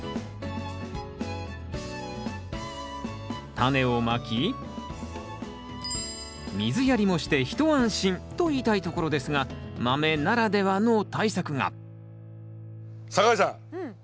タネをまき水やりもして一安心と言いたいところですがマメならではの対策が酒井さん